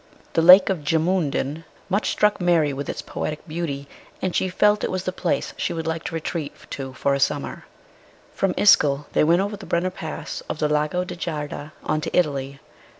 The Lake of Gemiin den much struck Mary with its poetic beauty, and she felt it was the place she should like to retreat to for a summer. From Ischl they went over the Brenner Pass of the Lago di Garda on to Italy.